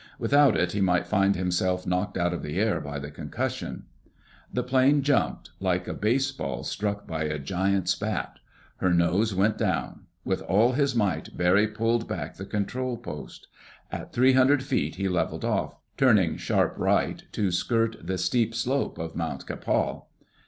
Without it he might find himself knocked out of the air by the concussion. The plane jumped—like a baseball struck by a giant's bat. Her nose went down. With all his might, Barry pulled back the control post. At three hundred feet he leveled off, turning sharp right, to skirt the steep slope of Mt. Kapal.